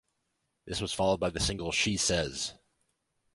This was followed by the single She Says.